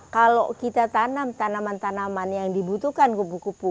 kalau kita tanam tanaman tanaman yang dibutuhkan kupu kupu